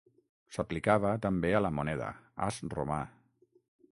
S'aplicava també a la moneda, as romà.